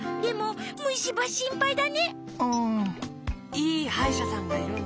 いいはいしゃさんがいるんだ。